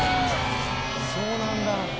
そうなんだ。